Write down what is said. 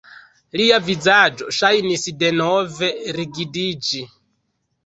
Lia vizaĝo ŝajnis denove rigidiĝi.